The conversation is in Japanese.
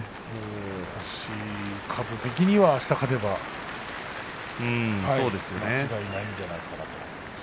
星数的には、あす勝てば間違いないんじゃないかなと。